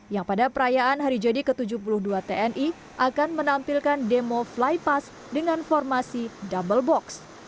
yang pada perayaan hari jadi ke tujuh puluh dua tni akan menampilkan demo flypass dengan formasi double box